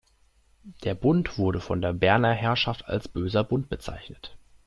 Der Bund wurde von der Berner Herrschaft als Böser Bund bezeichnet.